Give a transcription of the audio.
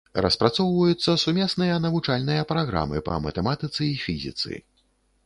Распрацоўваюцца сумесныя навучальныя праграмы па матэматыцы і фізіцы.